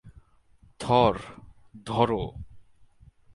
থর, ধরো!